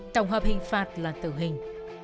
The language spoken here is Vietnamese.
tổng hợp hình phạt là tử hình